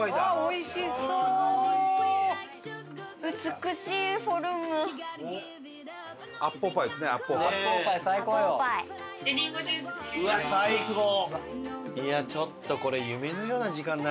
いやちょっとこれ夢のような時間だね。